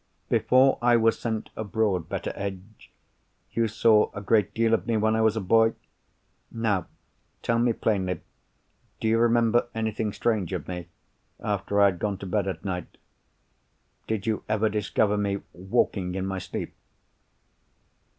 "Before I was sent abroad, Betteredge, you saw a great deal of me when I was a boy? Now tell me plainly, do you remember anything strange of me, after I had gone to bed at night? Did you ever discover me walking in my sleep?"